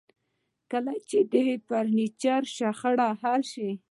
کله چې د فرنیچر شخړه حل شوه